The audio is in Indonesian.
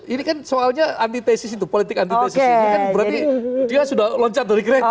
ini kan soalnya antitesis itu politik antitesis ini kan berarti dia sudah loncat dari kereta